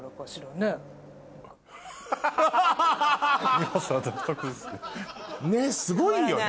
ねっすごいよね？